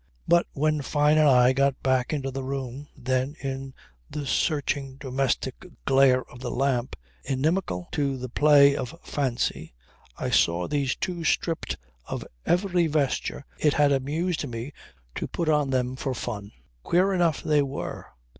But when Fyne and I got back into the room, then in the searching, domestic, glare of the lamp, inimical to the play of fancy, I saw these two stripped of every vesture it had amused me to put on them for fun. Queer enough they were.